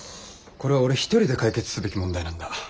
これは俺一人で解決すべき問題なんだ。